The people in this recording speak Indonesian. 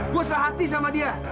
gue sehati sama dia